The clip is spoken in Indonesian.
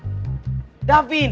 kayaknya masih ada yang galau deh